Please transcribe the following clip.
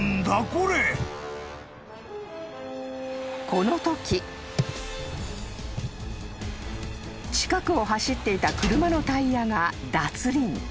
［このとき近くを走っていた車のタイヤが脱輪］